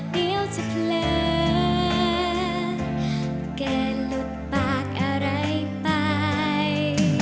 เดี๋ยวจะเผลอแกหลุดปากอะไรไป